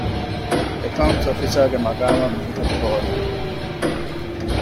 އެކައުންޓްސް އޮފިސަރގެ މަގާމަށް މީހަކު ހޯދުން